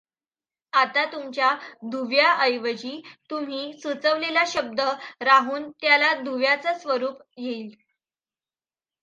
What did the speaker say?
आता तुमच्या दुव्याऐवजी तुम्ही सुचवलेला शब्द राहून त्याला दुव्याचे स्वरूप येईल.